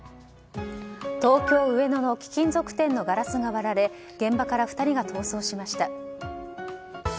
東京・上野の貴金属店のガラスが割られ現場から２人が逃走しました。